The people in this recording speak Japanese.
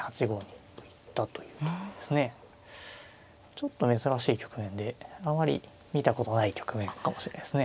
ちょっと珍しい局面であまり見たことない局面かもしれないですね。